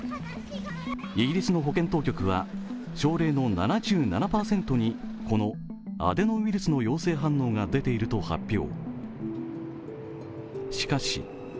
イギリスの保健当局は症例の７７％にこのアデノウイルスの陽性反応が出ていると発表。